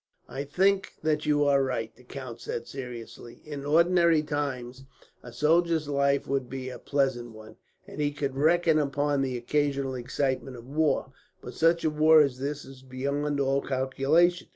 "I think that you are right," the count said seriously. "In ordinary times a soldier's life would be a pleasant one, and he could reckon upon the occasional excitement of war; but such a war as this is beyond all calculation.